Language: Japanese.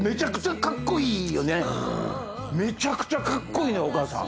めちゃくちゃカッコいいのよお母さん。